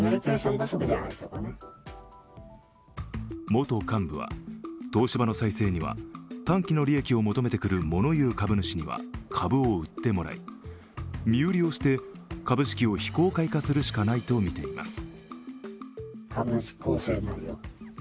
元幹部は東芝の再生には短期の利益を求めてくる物言う株主には株を売ってもらい身売りをして、株式を非公開化するしかないとみています。